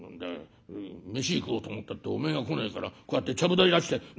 飯食おうと思ったっておめえが来ねえからこうやってちゃぶ台出して待ってんじゃねえか」。